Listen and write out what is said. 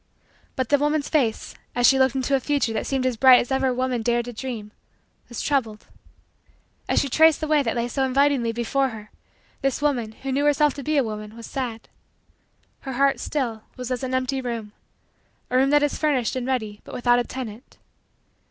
But the woman's face, as she looked into a future that seemed as bright as ever woman dared to dream, was troubled. As she traced the way that lay so invitingly before her, this woman, who knew herself to be a woman, was sad. Her heart, still, was as an empty room a room that is furnished and ready but without a tenant.